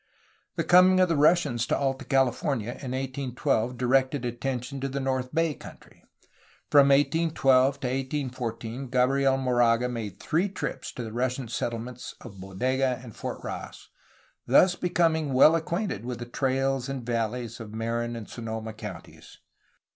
The coming of the Russians to Alt a California in 1812 directed attention to the north bay country. From 1812 to 1814 Gabriel Moraga made three trips to the Russian settle ments of Bodega and Fort Ross, thus becoming well ac quainted with the trails and valleys of Marin and Sonoma counties.